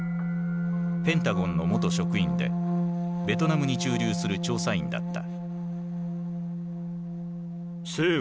ペンタゴンの元職員でベトナムに駐留する調査員だった。